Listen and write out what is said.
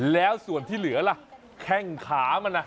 แล้วส่วนที่เหลือล่ะแข้งขามัน